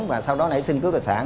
và sau đó nảy sinh cướp tài sản